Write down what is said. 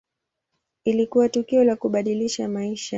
Ilikuwa tukio la kubadilisha maisha.